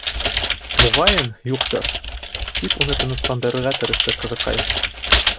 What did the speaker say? —Моғайын, юҡтыр, —тип уны тынысландырырға тырышты ҡыҙыҡай.